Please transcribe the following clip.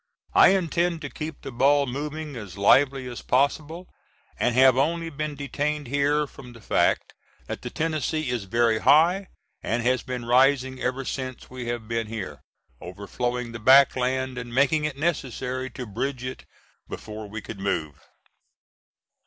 I intend to keep the ball moving as lively as possible, and have only been detained here from the fact that the Tennessee is very high and has been rising ever since we have been here, overflowing the back land and making it necessary to bridge it before we could move.